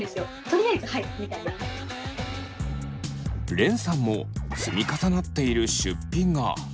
れんさんも積み重なっている出費が。